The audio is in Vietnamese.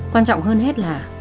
quan trọng hơn hết là